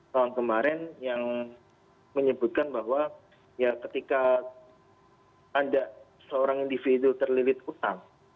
tahun kemarin yang menyebutkan bahwa ya ketika ada seorang individu terlilit utang